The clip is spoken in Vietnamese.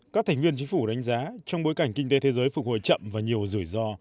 các thành viên chính phủ đánh giá trong bối cảnh kinh tế thế giới phục hồi chậm và nhiều rủi ro